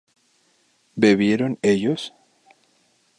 ¿bebieron ellos?